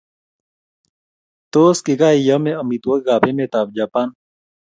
Tos, kigaiame amitwogikab emetab japan